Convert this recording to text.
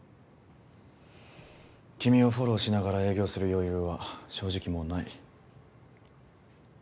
君をフォローしながら営業する余裕は正直もうない。